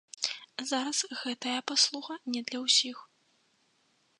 Зараз гэтая паслуга не для ўсіх.